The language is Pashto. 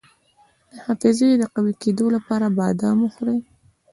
د حافظې د قوي کیدو لپاره بادام وخورئ